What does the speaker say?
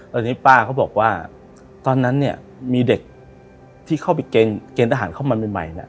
ตอนนี้ป้าเขาบอกว่าตอนนั้นเนี่ยมีเด็กที่เข้าไปเกณฑ์ทหารเข้ามาใหม่เนี่ย